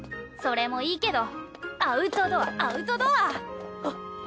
それもいいけどアウトドアアウトドア！